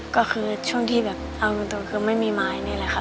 ก็คือช่วงที่แบบเอาตรงคือไม่มีไม้นี่แหละค่ะ